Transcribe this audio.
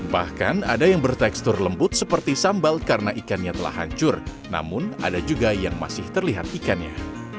bahkan ada yang bertekstur lembut seperti sambal karena ikannya telah hancur namun ada juga yang masih terlihat ikannya